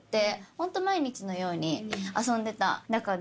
ホント毎日のように遊んでた仲で。